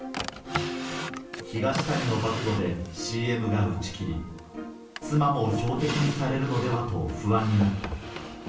東谷の暴露でＣＭが打ち切り、妻も標的にされるのではと不安になった。